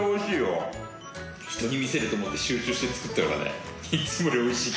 人に見せると思って集中して作ったからね。